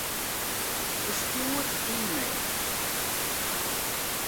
Ferstjoer e-mail.